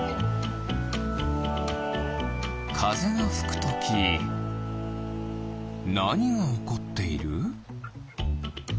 かぜがふくときなにがおこっている？